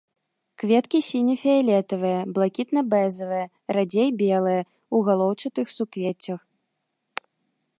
Кветкі сіне-фіялетавыя, блакітна-бэзавыя, радзей белыя, у галоўчатых суквеццях.